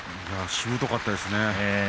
しぶとかったですね。